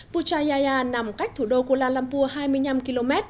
puchayaya nằm cách thủ đô kuala lumpur hai mươi năm km